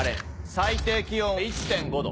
最低気温１．５度。